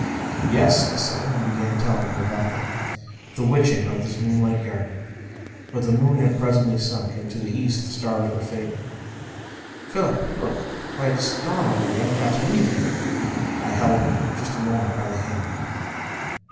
"Yes," I said. And began telling her about them. The witching of this moonlit garden! But the moon had presently sunk, and to the east the stars were fading. "Philip! Look! Why, it's dawn already. I've got to leave you." I held her just a moment by the hand.